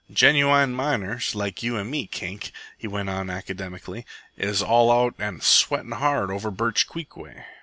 "Genooine miners like you an' me, Kink," he went on academically, "is all out an' sweatin' hard over Birch Creek way.